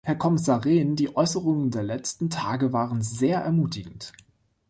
Herr Kommissar Rehn, die Äußerungen der letzten Tage waren sehr ermutigend.